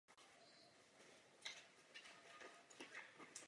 Oriental Hotel je v centru města.